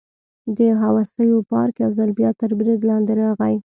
د هوسیو پارک یو ځل بیا تر برید لاندې راغی.